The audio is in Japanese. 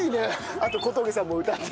あと小峠さんも歌って。